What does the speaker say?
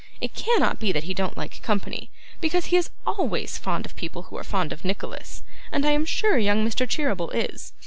It cannot be that he don't like company, because he is always fond of people who are fond of Nicholas, and I am sure young Mr Cheeryble is.